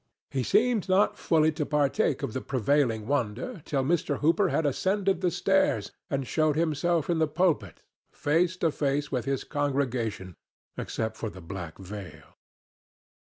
He seemed not fully to partake of the prevailing wonder till Mr. Hooper had ascended the stairs and showed himself in the pulpit, face to face with his congregation except for the black veil.